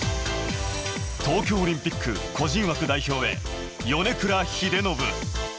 東京オリンピック個人枠代表へ、米倉英信。